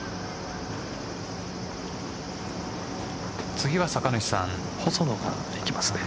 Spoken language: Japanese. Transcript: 次は酒主さん細野がいきますね。